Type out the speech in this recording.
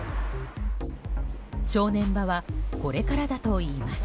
正念場はこれからだといいます。